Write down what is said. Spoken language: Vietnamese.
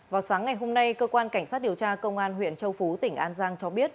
vào sáng ngày hôm nay cơ quan cảnh sát điều tra công an huyện châu phú tỉnh an giang cho biết